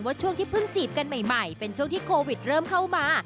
ช่วงที่เพิ่งจีบกันใหม่เป็นช่วงที่โควิดเริ่มเข้ามา